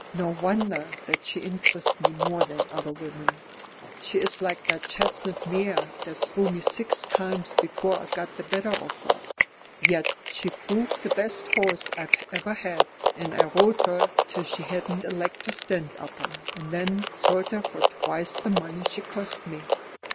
"No wonder that she interests me more than other women. She is like that chestnut mare that threw me six times before I got the better of her. Yet she proved the best horse I ever had, and I rode her till she hadn't a leg to stand upon, and then sold her for twice the money she cost me.